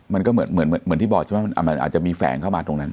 มันก็เหมือนที่บอกใช่ไหมมันอาจจะมีแฝงเข้ามาตรงนั้น